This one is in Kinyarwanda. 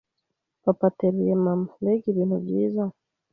papa ateruye mama mbega ibintu byiza